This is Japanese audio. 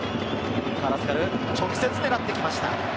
直接狙ってきました。